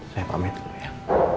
saya pamit dulu ya